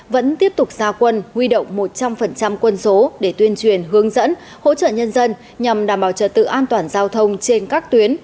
vẫn tiếp tục ra quân huy động một trăm linh quân số để tuyên truyền hướng dẫn hỗ trợ nhân dân nhằm đảm bảo trật tự an toàn giao thông trên các tuyến